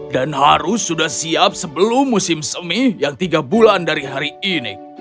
dan harus sudah siap sebelum musim semi yang tiga bulan dari hari ini